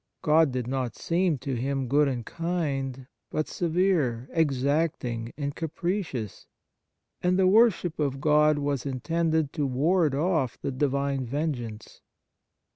God did not seem to him good and kind, but severe, exacting, and capricious, and the worship of God was intended to ward off the Divine vengeance.